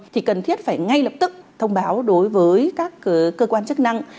thì cần thiết phải ngay lập tức thông báo đối với các cơ quan chức năng